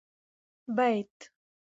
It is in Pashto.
بيت